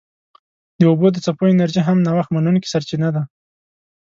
د اوبو د څپو انرژي هم نوښت منونکې سرچینه ده.